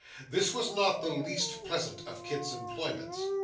This was not the least pleasant of Kit's employments.